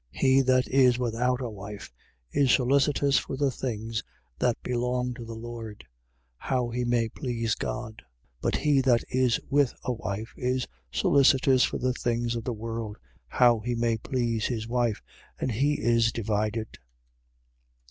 He that is without a wife is solicitous for the things that belong to the Lord: how he may please God. 7:33. But he that is with a wife is solicitous for the things of the world: how he may please his wife. And he is divided.